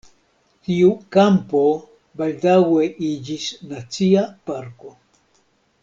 Tiu kampo baldaŭe iĝis Nacia parko.